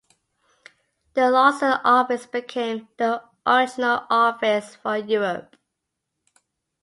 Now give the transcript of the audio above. The Lausanne office became the regional office for Europe.